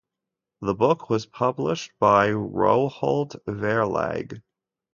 The book was published by Rowohlt Verlag.